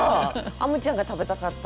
あむちゃんが食べたかった？